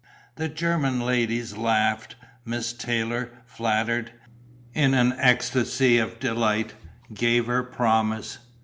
The German ladies laughed. Miss Taylor, flattered, in an ecstasy of delight, gave her promise.